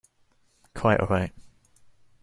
Quite all right.